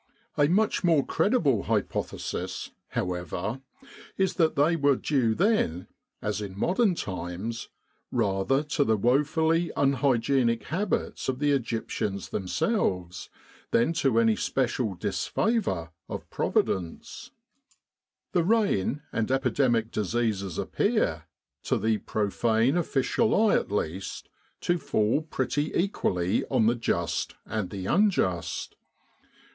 A much more credible hypothesis, however, is that they were due then, as in modern times, rather to the woefully unhygienic habits of the Egyptians themselves than to any special disfavour of 193 With the R.A.M.C. in Egypt Providence. The rain and epidemic diseases appear, to the profane official eye at least, to fall pretty equally on the just and the unjust.